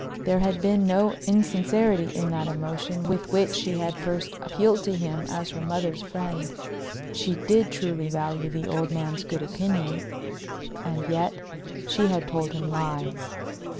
There had been no insincerity in that emotion with which she had first appealed to him as her mother's friend; she did truly value the old man's good opinion. And yet she had told him lies.